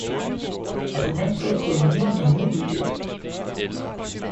Argumentet er kolonien af murmeldyr.